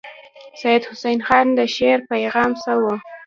سید حسن خان د شعر پیغام څه وو.